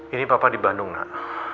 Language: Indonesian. ini papa dibandung nak